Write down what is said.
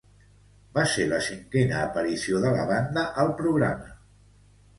Va ser la cinquena aparició de la banda al programa.